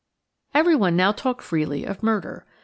Everyone now talked freely of murder.